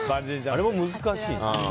あれも難しい。